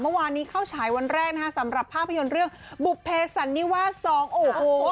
เมื่อวานนี้เข้าฉายวันแรกนะฮะสำหรับภาพยนตร์เรื่องบุภเพสันนิวาสสองโอ้โห